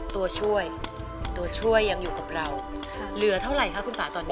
ตัวช่วยตัวช่วยยังอยู่กับเราเหลือเท่าไหร่คะคุณป่าตอนนี้